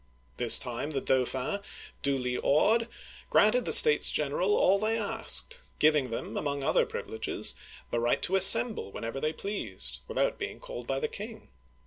This time the Dauphin, duly awed, granted the States General all they asked, giving them, among other privileges, the right to assemble whenever they pleased, without being called by the king.